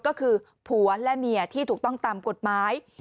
ก็คือผัวและเมียที่ถูกต้องตามกฎหมาย